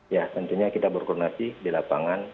ya tentunya kita berkoordinasi di lapangan